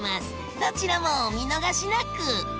どちらもお見逃しなく！